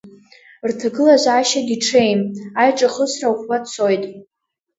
Рҭагылазаашьагьы ҽеим, аиҿахысра ӷәӷәа цоит.